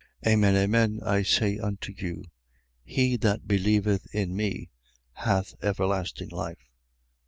6:47. Amen, amen, I say unto you: He that believeth in me hath everlasting life.